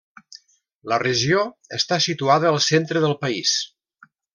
La regió està situada al centre del país.